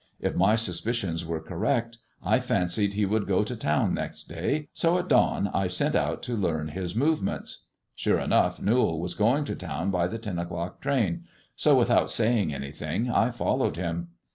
If my suspicions were correct, I fancied he would go to town next day, so at dawn I sent out to learn his movements. Sure enough Newall was going to town by the ten o'clock train, so without saying anything I followed him.